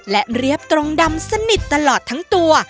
และเรียบตรงดำสนิทตลอดทั้งตัว